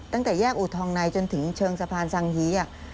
ตั้งแต่แยกอูทองในจนถึงเชิงสะพานสังฮี